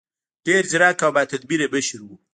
ډېر ځیرک او باتدبیره مشر و.